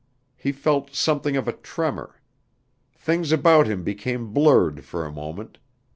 He felt something of a tremor. Things about him became blurred for a moment.